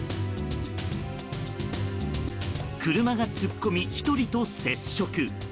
車が突っ込み１人と接触。